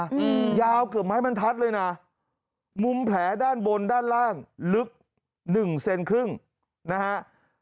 อืมยาวเกือบไม้บรรทัศน์เลยน่ะมุมแผลด้านบนด้านล่างลึกหนึ่งเซนครึ่งนะฮะ